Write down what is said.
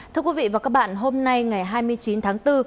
thưa quý vị và các bạn hôm nay ngày hai mươi chín tháng bốn